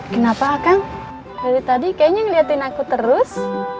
kenapa kang dari tadi kayaknya ngeliatin aku terus